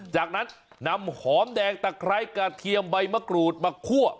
จากนั้นนำหอมแดงตะไคร้กระเทียมใบมะกรูดมาคั่ว